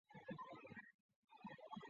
全晚颁发二十首得奖歌曲。